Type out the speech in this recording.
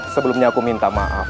sebelumnya aku minta maaf